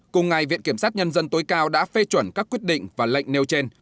cùng ngày viện kiểm sát nhân dân tối cao đã phê chuẩn các quyết định và lệnh nêu trên